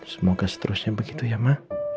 semoga seterusnya begitu ya mak